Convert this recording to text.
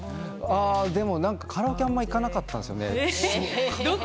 あまりカラオケに行かなかったんですよね。